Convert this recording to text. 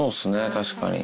確かに。